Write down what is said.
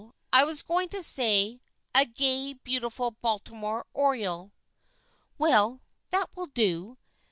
I was going to say, a gay beautiful Baltimore oreole." " Well, that will do.